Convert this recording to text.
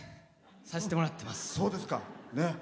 させてもらってます。